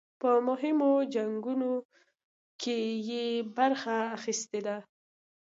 په مهمو جنګونو کې یې برخه اخیستې ده.